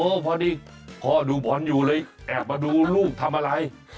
พอดีพ่อดูบอลอยู่เลยแอบมาดูลูกทำอะไร